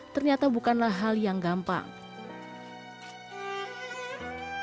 ternyata bukanlah hal yang gampang